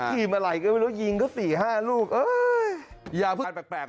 ถ้าที่มุมมาไหลก็ยิง๔๕ลูก